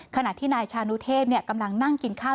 ขณะที่นายชานุเทพกำลังนั่งกินข้าว